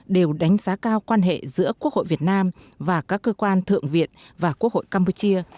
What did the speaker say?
đều đánh giá cao quan hệ giữa quốc hội việt nam và các cơ quan thượng viện và quốc hội campuchia